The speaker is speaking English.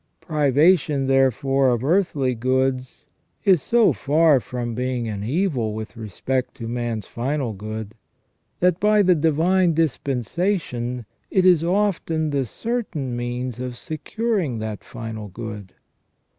Privation, therefore, of earthly goods is so far from being an evil with respect to man's final good, that by the divine disposition it is often the certain means of securing that final good.